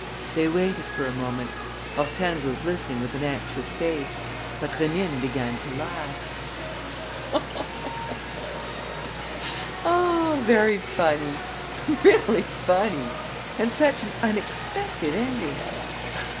They waited for a moment. Hortense was listening with an anxious face. But Rénine began to laugh: "Very funny, really funny! And such an unexpected ending!